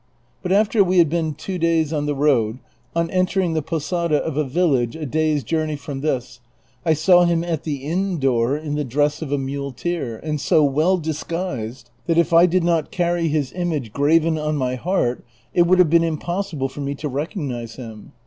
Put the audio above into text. But after we had been two days on the road, on entering the posada of a village a day's journey from this, I saw him at the inn door in the dress of a muleteer, and so well disguised, that if I did not carry his image graven on my heart it would have been impossible for me to recognize him.